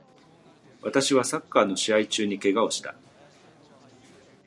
私はサッカーの試合中に怪我をした